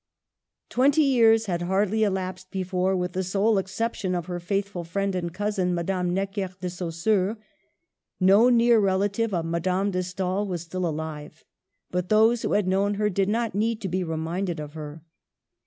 Twenty years had hardly elapsed before, with the sole exception of her faithful friend and cousin, Madame Necker de Saussure, no near relative of Madame de Stael was still alive ; but those who had known her did not need to be reminded of her.